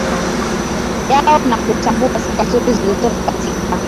yao na kutambua sifa nzuri zilizopo katika